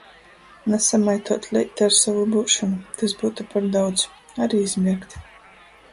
Nasamaituot leita ar sovu byušonu, tys byutu par daudz – ari izmierkt.